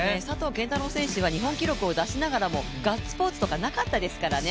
拳太郎選手は日本記録を出しながらもガッツポーズとかなかったですからね。